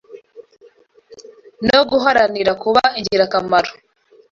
no guharanira kuba ingirakamaro